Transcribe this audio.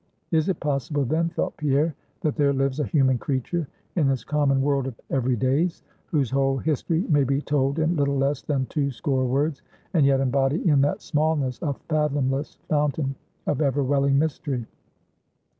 Is it possible then, thought Pierre, that there lives a human creature in this common world of everydays, whose whole history may be told in little less than two score words, and yet embody in that smallness a fathomless fountain of ever welling mystery?